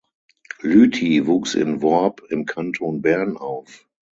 Lüthi wuchs in Worb im Kanton Bern auf.